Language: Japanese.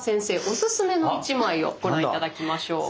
オススメの１枚をご覧頂きましょう。